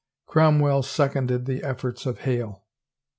Cromwell seconded the efforts of Hale.